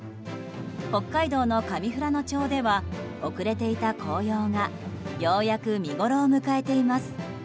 北海道の上富良野町では遅れていた紅葉がようやく見ごろを迎えています。